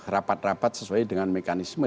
rapat rapat sesuai dengan mekanisme